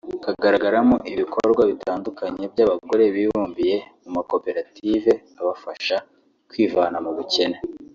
kagaragaramo ibikorwa bitandukanye by’abagore bibumbiye mu makoperative abafasha kwivana mu bukene